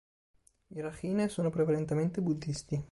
I Rakhine sono prevalentemente buddisti.